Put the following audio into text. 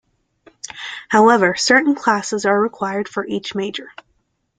However, certain classes are required for each major.